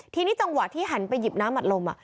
ทีนี้จังหวะที่หันไปหยิบน้ำอัดลม